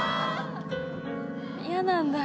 嫌なんだ。